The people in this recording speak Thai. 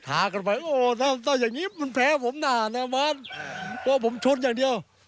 ท้ากลับไปโอ้ถ้าอย่างงี้มันแพ้ผมน่ะน้ำบาทเพราะผมชดอย่างเดียว